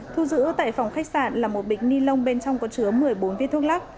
thu giữ tại phòng khách sạn là một bịch ni lông bên trong có chứa một mươi bốn viên thuốc lắc